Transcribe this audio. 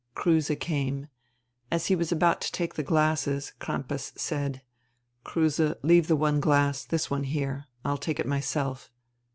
Kruse came. As he was about to take the glasses Crampas said: "Kruse, leave the one glass, this one here. I'll take it myself."